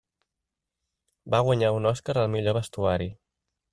Va guanyar un Oscar al millor vestuari.